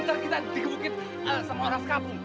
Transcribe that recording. ntar kita dikebukin sama orang sekampung